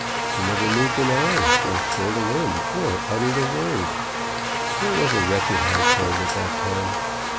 She never moved an eye, or stirred a limb, or uttered a word. It was a wretched household at that time.